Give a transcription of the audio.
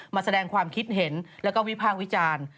มาแสดงความคิดเห็นแล้วก็วิพากษ์วิจารณ์